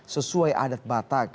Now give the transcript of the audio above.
sesuai adat batak